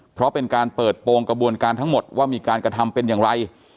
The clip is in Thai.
เพราะเป็นการเปิดโปรงกระบวนการทั้งหมดว่ามีการกระทำเป็นอย่างไร